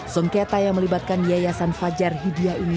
sengketa yang melibatkan yayasan fajar hidya ini